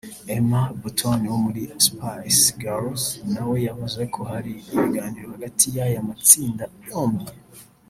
Emma Bunton wo muri Spice Girls na we yavuze ko hari ibiganiro hagati y’aya matsinda yombi